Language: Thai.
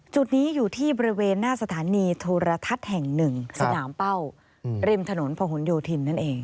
จุดนี้อยู่ที่บริเวณหน้าสถานีโทรทัศน์แห่งหนึ่งสนามเป้าริมถนนพะหนโยธินนั่นเอง